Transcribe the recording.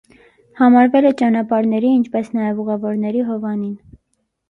Համարվել է ճանապարհների, ինչպես նաև ուղևորների հովանին։